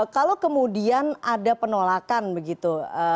kalau kemudian ada penolakan begitu